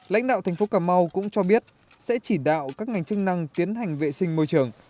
lãnh đạo thành phố cà mau cũng cho biết sẽ chỉ đạo các ngành chức năng tiến hành vệ sinh môi trường